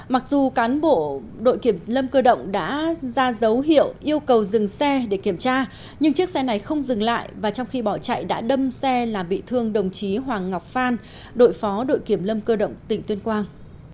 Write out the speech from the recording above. mặc dù cán bộ đội kiểm lâm cơ động đã ra dấu hiệu yêu cầu dừng xe để kiểm tra nhưng chiếc xe này không dừng lại và trong khi bỏ chạy đã đâm xe làm bị thương đồng chí hoàng ngọc phan đội phó đội kiểm lâm cơ động tỉnh tuyên quang